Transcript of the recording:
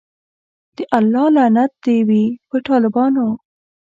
د الله لعنت دی وی په ټالبانو